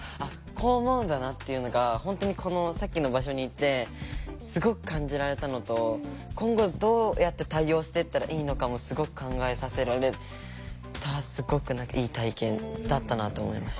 こう思うんだなっていうのが本当にこのさっきの場所に行ってすごく感じられたのと今後どうやって対応していったらいいのかもすごく考えさせられたすごくいい体験だったなと思いました。